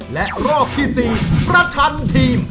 และรอบที่๔ประชันทีม